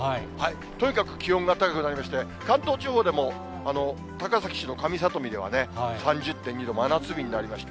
とにかく気温が高くなりまして、関東地方でも高崎市の上里見では３０．２度、真夏日になりました。